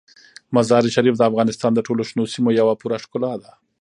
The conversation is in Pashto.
مزارشریف د افغانستان د ټولو شنو سیمو یوه پوره ښکلا ده.